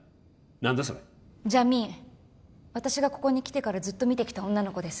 何だそれジャミーン私がここに来てからずっと診てきた女の子です